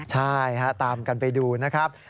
ใช่ฮะตามกันไปดูนะครับ